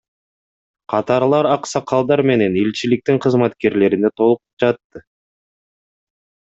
Катарлар аксакалдар менен элчиликтин кызматкерлерине толуп жатты.